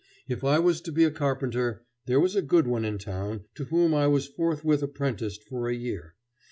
If I was to be a carpenter, there was a good one in town, to whom I was forthwith apprenticed for a year.